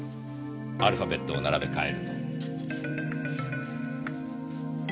アルファベットを並べ替えると。